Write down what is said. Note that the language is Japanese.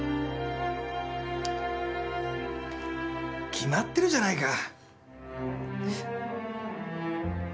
決まってるじゃないか。